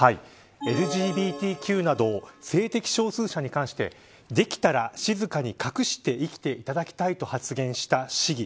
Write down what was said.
ＬＧＢＴＱなど性的少数者に関してできたら静かに隠して生きていただきたいと発言した市議。